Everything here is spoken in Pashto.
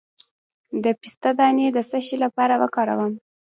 د پسته دانه د څه لپاره وکاروم؟